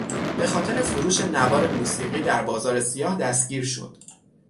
به خاطر فروش نوار موسیقی در بازار سیاه دستگیر شد.